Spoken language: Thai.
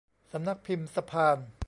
สำนักพิมพ์สะพาน